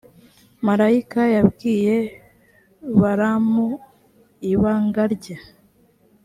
marayika yabwiye balamu ibangarye.